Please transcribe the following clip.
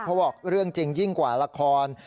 เพราะบอกเรื่องจริงยิ่งกว่าละคร